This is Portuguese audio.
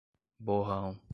borrão